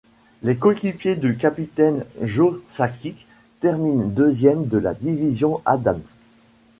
Les coéquipiers du capitaine Joe Sakic terminent deuxièmes de la division Adams.